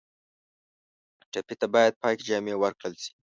ټپي ته باید پاکې جامې ورکړل شي.